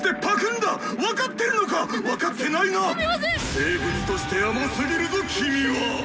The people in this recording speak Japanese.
生物として甘すぎるぞ君は！